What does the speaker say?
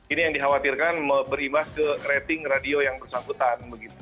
ini yang dikhawatirkan berimbas ke rating radio yang bersangkutan